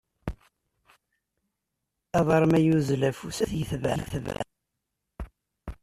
Aḍar ma yuzzel afus ad t-yetbeɛ.